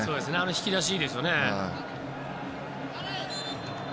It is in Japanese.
引き出しいいですよね。